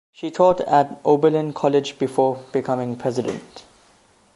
She taught at Oberlin College before becoming President.